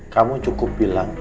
kamu cukup bilang